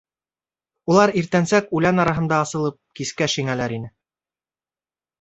Улар иртәнсәк үлән араһында асылып, кискә шиңәләр ине.